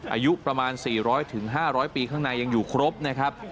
อายุประมาณ๔๐๐๕๐๐ปีข้างในยังอยู่ครบนะครับ